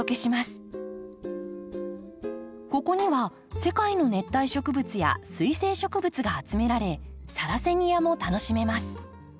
ここには世界の熱帯植物や水性植物が集められサラセニアも楽しめます。